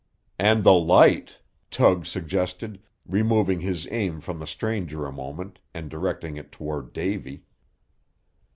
"And the light," Tug suggested, removing his aim from the stranger a moment, and directing it toward Davy.